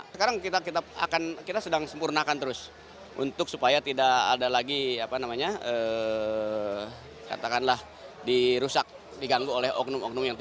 sekarang kita sedang sempurnakan terus untuk supaya tidak ada lagi apa namanya katakanlah dirusak diganggu oleh oknum oknum yang